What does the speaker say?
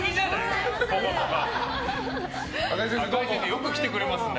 よく来てくれますね。